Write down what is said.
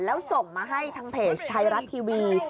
แล้วส่งมาให้ทางเพจไทยรัฐทีวี